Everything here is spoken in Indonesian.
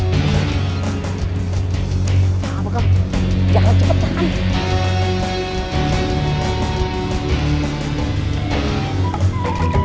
tidak apa apa kang